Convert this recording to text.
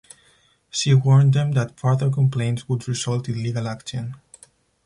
She warned them that further complaints would result in legal action.